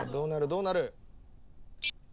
どうなる？